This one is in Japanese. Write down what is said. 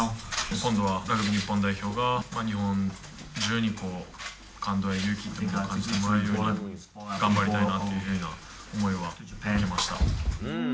今度はラグビー日本代表が、日本中に感動や勇気を感じてもらえるように、頑張りたいなっていうふうな思いはありました。